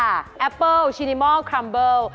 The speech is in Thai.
แอปเปิ้ลชินิมอลคัมเบิล